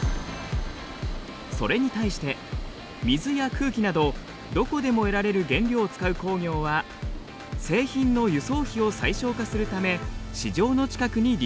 それに対して水や空気などどこでも得られる原料を使う工業は製品の輸送費を最小化するため市場の近くに立地します。